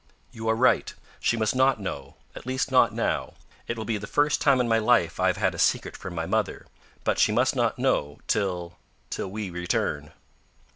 "You are right. She must not know at least not now. It will be the first time in my life I have had a secret from my mother; but she must not know till till we return."